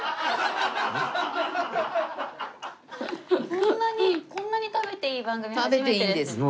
こんなにこんなに食べていい番組初めてです。